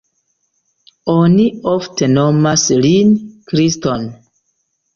Oni ofte nomas lin Kriston.